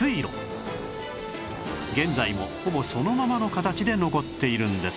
現在もほぼそのままの形で残っているんです